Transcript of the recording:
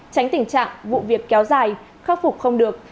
tránh tình trạng vụ việc kéo dài khắc phục không được